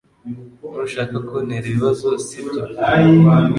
Ntushaka kuntera ibibazo, sibyo?